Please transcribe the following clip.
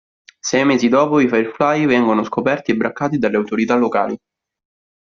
Sei mesi dopo i Firefly vengono scoperti e braccati dalle autorità locali.